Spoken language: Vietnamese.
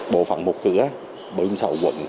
bộ phận một cửa bộ phận sau quận